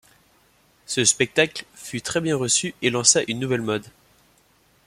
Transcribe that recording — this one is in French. Ce spectacle fut très bien reçu et lança une nouvelle mode.